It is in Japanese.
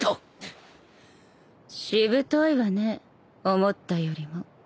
しぶといわね思ったよりも